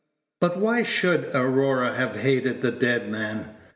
But why should Aurora have hated the dead man?